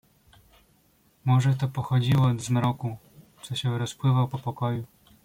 "Może to pochodziło od zmroku, co się rozpływał po pokoju."